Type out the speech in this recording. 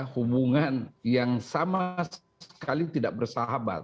hubungan yang sama sekali tidak bersahabat